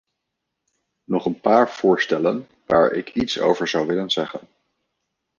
Nog een paar voorstellen waar ik iets over zou willen zeggen.